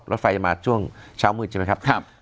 รถไฟจะมาช่วงเช้ามืดใช่ไหมครับ